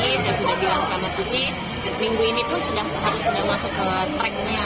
kita sudah bilang sama suci minggu ini tuh harusnya masuk ke tracknya